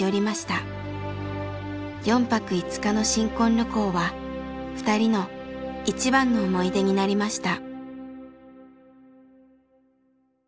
４泊５日の新婚旅行は２人の一番の思い出になりました。